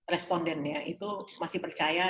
respondennya itu masih percaya